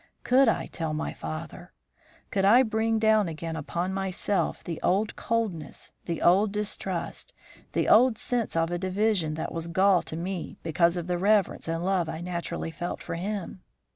Could I tell my father? Could I bring down again upon myself the old coldness, the old distrust, the old sense of a division that was gall to me because of the reverence and love I naturally felt for him?